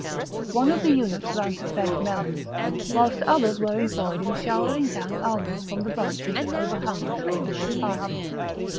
One of the eunuchs ran to fetch melons, whilst others were employed in showering down almonds from the branches that overhung this amiable party.